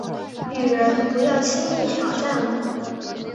女人，不要轻易挑战我